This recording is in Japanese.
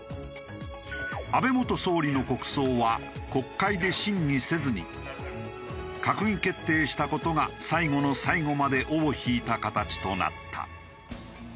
安倍元総理の国葬は国会で審議せずに閣議決定した事が最後の最後まで尾を引いた形となった。